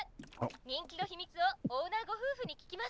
人気の秘密をオーナーごふうふに聞きます」。